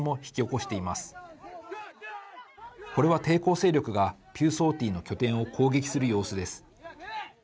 これは、抵抗勢力がピューソーティーの拠点を攻撃する様子です。